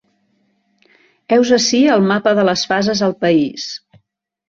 Heus ací el mapa de les fases al país.